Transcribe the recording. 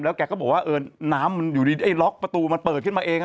แกก็บอกว่าเออน้ำมันอยู่ดีไอ้ล็อกประตูมันเปิดขึ้นมาเอง